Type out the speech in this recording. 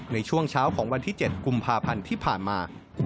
ในช่วงเช้าของวันที่๗กุมภาพันธ์ที่ผ่านมา